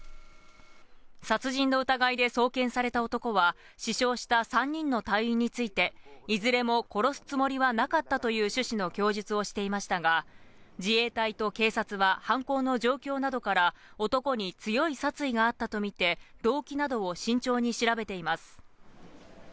殺人の疑いで送検された男は、死傷した３人の隊員について、いずれも殺すつもりはなかったという趣旨の供述をしていましたが、自衛隊と警察は犯行の状況などから、男に強い殺意があったと見て、動機などを慎重に調べています。